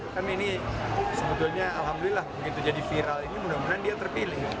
kan ini sebetulnya alhamdulillah begitu jadi viral ini mudah mudahan dia terpilih